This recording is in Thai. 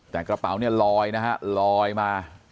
แต่กระเป๋าเนี่ยลอยนะฮะลอยมา